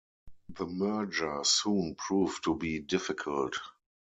The merger soon proved to be difficult.